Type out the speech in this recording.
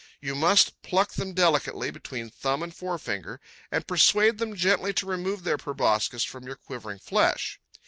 You must pluck them delicately, between thumb and forefinger, and persuade them gently to remove their proboscides from your quivering flesh.